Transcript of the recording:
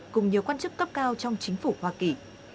cùng nhiều quan chức cấp cao trong chính phủ hoa kỳ